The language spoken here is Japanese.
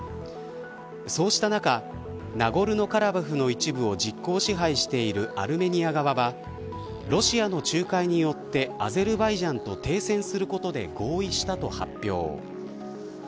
そうした中ナゴルノカラバフの一部を実行支配しているアルメニア側はロシアの仲介によってアゼルバイジャンと停戦することで合意したと発表。